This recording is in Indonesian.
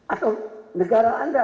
atau negara anda